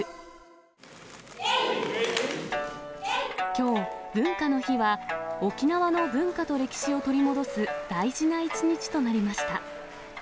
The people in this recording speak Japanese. きょう文化の日は、沖縄の文化と歴史を取り戻す大事な一日となりました。